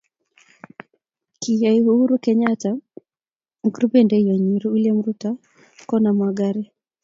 kiyay Uhuru Kenyatta ak rubeiwonde nyii William Ruto koner mong'aree.